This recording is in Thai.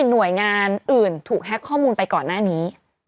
หน่วยงานอื่นถูกแฮ็กข้อมูลไปก่อนหน้านี้